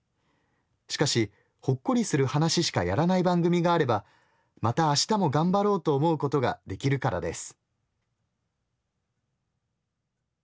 しかしほっこりする話しかやらない番組があればまた明日も頑張ろうと思うことができるからです」。